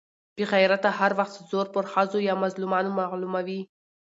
بې غيرته هر وخت زور پر ښځو يا مظلومانو معلوموي.